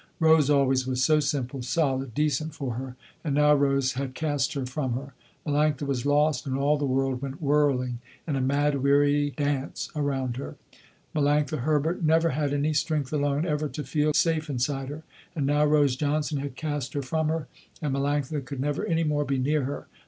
Rose always was so simple, solid, decent, for her. And now Rose had cast her from her. Melanctha was lost, and all the world went whirling in a mad weary dance around her. Melanctha Herbert never had any strength alone ever to feel safe inside her. And now Rose Johnson had cast her from her, and Melanctha could never any more be near her.